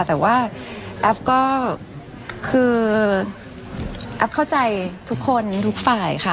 แต่ว่าแอฟก็คือแอฟเข้าใจทุกคนทุกฝ่ายค่ะ